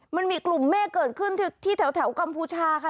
มันมีกลุ่มเมฆเกิดขึ้นที่แถวกัมพูชาค่ะ